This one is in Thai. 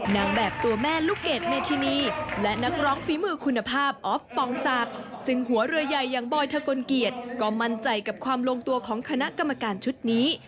นางแบบตัวแม่ลูกเกดเมธินีและนักร้องฝีมือคุณภาพออฟปองศักดิ์ซึ่งหัวเรือใหญ่อย่างบอยทะกลเกียจก็มั่นใจกับความลงตัวของคณะกรรมการชุดนี้